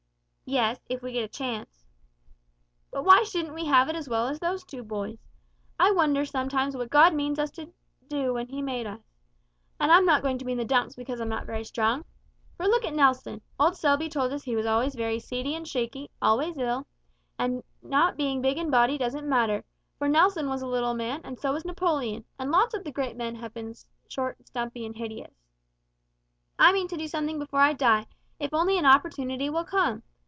"Yes, if we get a chance." "But why shouldn't we have it as well as those two boys. I wonder sometimes what God meant us to do when He made us! And I'm not going to be in the dumps because I'm not very strong. For look at Nelson: old Selby told us he was always very seedy and shaky, always ill; and not being big in body doesn't matter, for Nelson was a little man and so was Napoleon, and lots of the great men have been short and stumpy and hideous! I mean to do something before I die, if only an opportunity will come!